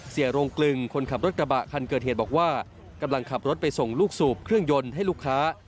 โรงกลึงคนขับรถกระบะคันเกิดเหตุบอกว่ากำลังขับรถไปส่งลูกสูบเครื่องยนต์ให้ลูกค้า